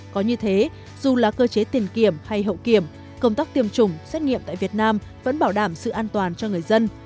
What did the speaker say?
có như thế dù là cơ chế tiền kiểm hay hậu kiểm công tác tiêm chủng trách nghiệm